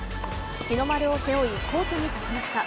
日の丸を背負いコートに立ちました。